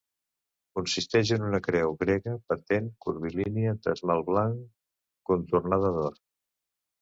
Consisteix en una creu grega patent curvilínia d'esmalt blanc, contornada d'or.